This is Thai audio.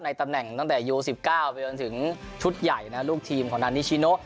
ตำแหน่งตั้งแต่ยู๑๙ไปจนถึงชุดใหญ่นะลูกทีมของนานิชิโน